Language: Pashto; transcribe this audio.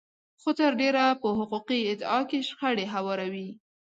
خو تر ډېره په حقوقي ادعا کې شخړې هواروي.